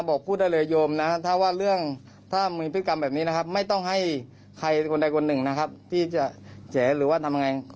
หรือเรื่องดีล่ะว่าว่าดังไงจะลาศิษฐาเองเลยครับรู้ตัวถ้าว่าผิด